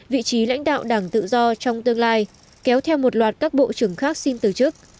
vị trí lãnh đạo đảng tự do trong tương lai kéo theo một loạt các bộ trưởng khác xin từ chức